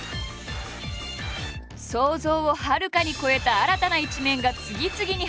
想像をはるかに超えた新たな一面が次々に発覚。